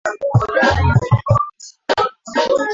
Kati ya Waislamu wengi ni Wasuni Kati ya Wakristo ni Waprotestanti